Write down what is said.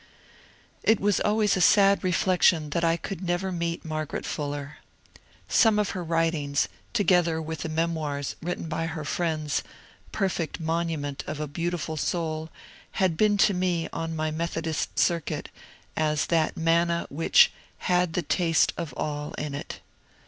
It was always a sad reflection that I could never meet Mar garet Fuller. Some of her writings, together with the memoirs written by her friends — perfect monument of a beautiful soul — had been to me, on my Methodist circuit, as that manna which *^ had the taste of all in it."